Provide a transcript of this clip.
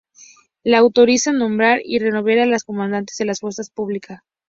Lo autoriza nombrar y remover a los comandantes de la fuerza pública.